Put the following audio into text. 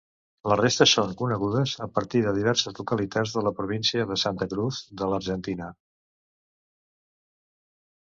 Les restes són conegudes a partir de diverses localitats de la província de Santa Cruz, de l'Argentina.